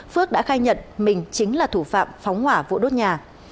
phước đã khai nhận mình chính là thủ phạm phóng hỏa vụ đốt nhà